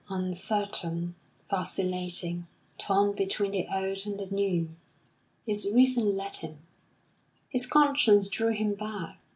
Uncertain, vacillating, torn between the old and the new, his reason led him; his conscience drew him back.